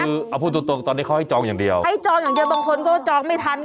คือเอาพูดตรงตอนนี้เขาให้จองอย่างเดียวให้จองอย่างเดียวบางคนก็จองไม่ทัน